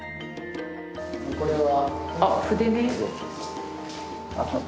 これは。